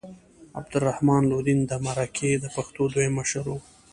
عبدالرحمن لودین د مرکه د پښتو دویم مشر و.